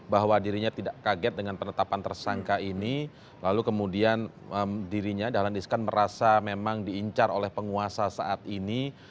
bahwa dirinya tidak kaget dengan penetapan tersangka ini lalu kemudian dirinya dahlan iskan merasa memang diincar oleh penguasa saat ini